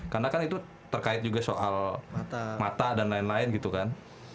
karena kan itu terkait juga soal mata dan lain lain gitu kan